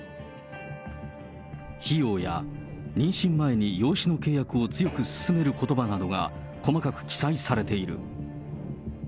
費用や妊娠前に養子の契約を強く勧めることばなどが細かく記載されている。